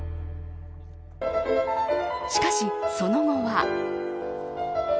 しかし、その後は。